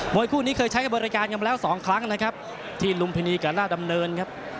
คู่นี้เคยใช้กับบริการกันมาแล้วสองครั้งนะครับที่ลุมพินีกับราชดำเนินครับ